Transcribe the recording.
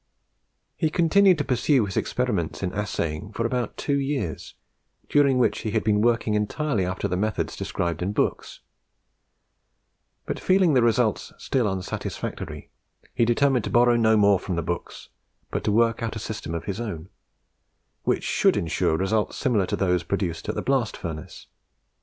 He continued to pursue his experiments in assaying for about two years, during which he had been working entirely after the methods described in books; but, feeling the results still unsatisfactory, he determined to borrow no more from the books, but to work out a system of his own, which should ensure results similar to those produced at the blast furnace.